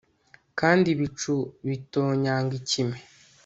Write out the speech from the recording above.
Kandi ibicu bitonyanga ikime